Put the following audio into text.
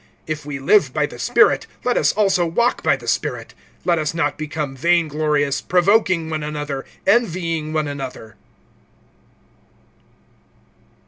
(25)If we live by the Spirit, let us also walk by the Spirit. (26)Let us not become vainglorious, provoking one another, envying one another.